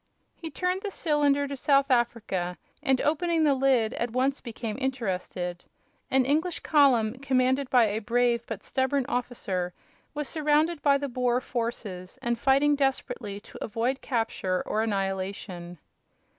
He turned the cylinder to "South Africa," and, opening the lid, at once became interested. An English column, commanded by a brave but stubborn officer, was surrounded by the Boer forces and fighting desperately to avoid capture or annihilation.